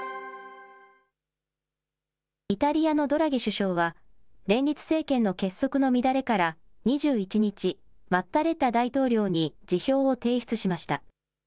イタリアのドラギ首相は、連立政権の結束の乱れから２１日、マッタレッラ大統領に辞表を提出しました。